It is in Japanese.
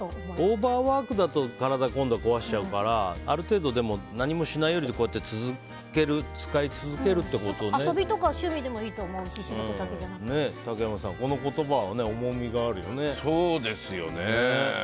オーバーワークだと体を今度、壊しちゃうからある程度、何もしないよりもこうやって遊びとか趣味でもいいと思うし竹山さん、この言葉はそうですよね。